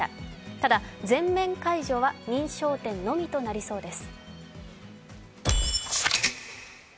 ただ、全面解除は認証店のみとなりそうです。